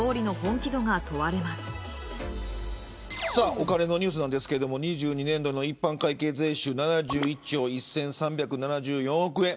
お金のニュースですが２２年度の一般会計税収は７１兆１３７４億円。